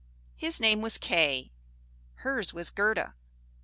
His name was Kay, hers was Gerda.